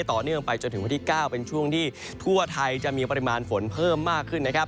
ต่อเนื่องไปจนถึงวันที่๙เป็นช่วงที่ทั่วไทยจะมีปริมาณฝนเพิ่มมากขึ้นนะครับ